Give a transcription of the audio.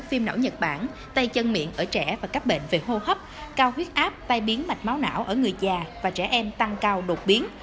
phim não nhật bản tay chân miệng ở trẻ và các bệnh về hô hấp cao huyết áp tai biến mạch máu não ở người già và trẻ em tăng cao đột biến